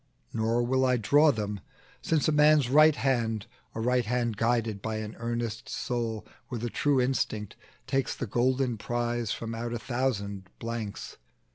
Now will I draw them, since a man's right hand, A right hand guided by an earnest soul, With a true instinct, takes the golden prize From out a thousand blanks.